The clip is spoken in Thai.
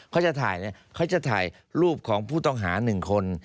เขาจะถ่ายเนี่ยเขาจะถ่ายรูปของผู้ต้องหา๑คน